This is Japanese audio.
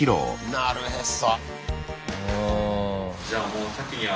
なるへそ。